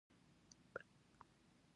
دریابونه د افغانانو د ګټورتیا برخه ده.